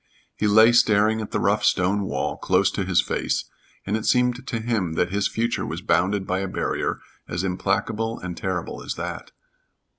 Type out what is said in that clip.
He lay staring at the rough stone wall close to his face, and it seemed to him that his future was bounded by a barrier as implacable and terrible as that.